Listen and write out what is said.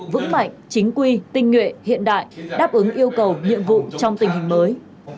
vững mạnh chính quy tinh nguyện hiện đại đáp ứng yêu cầu nhiệm vụ trong tình hình mới